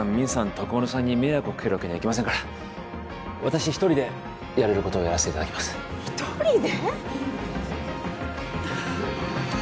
徳丸さんに迷惑をかけるわけにはいきませんから私一人でやれることをやらせていただきます一人で！？